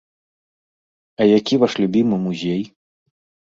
А які ваш любімы музей?